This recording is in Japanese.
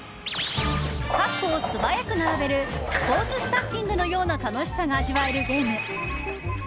カップを素早く並べるスポーツスタッキングのような楽しさが味わえるゲーム。